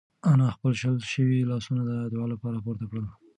انا خپل شل شوي لاسونه د دعا لپاره پورته کړل.